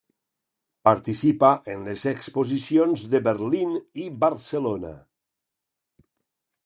Participa en les Exposicions de Berlín i Barcelona.